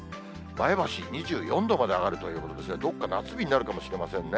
前橋２４度まで上がるということですが、どっか夏日になるかもしれませんね。